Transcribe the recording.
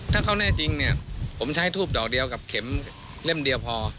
ถ้าเขาแน่จริงเนี่ยผมใช้ทูบดอกเดียวกับเข็มเล่มเดียวพอ